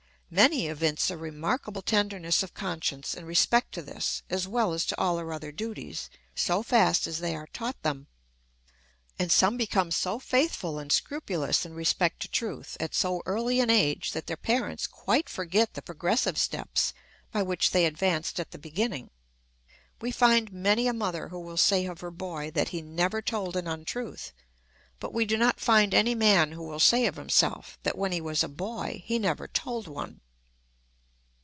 Many evince a remarkable tenderness of conscience in respect to this as well as to all their other duties, so fast as they are taught them. And some become so faithful and scrupulous in respect to truth, at so early an age, that their parents quite forget the progressive steps by which they advanced at the beginning. We find many a mother who will say of her boy that he never told an untruth, but we do not find any man who will say of himself, that when he was a boy he never told one.